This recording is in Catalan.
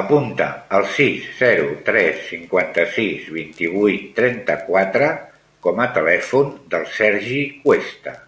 Apunta el sis, zero, tres, cinquanta-sis, vint-i-vuit, trenta-quatre com a telèfon del Sergi Cuesta.